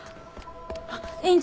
あっ院長！